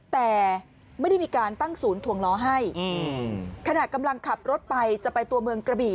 แต่ไม่ได้มีการตั้งศูนย์ถวงล้อให้ขณะกำลังขับรถไปจะไปตัวเมืองกระบี่